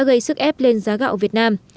gây sức ép lên giá gạo việt nam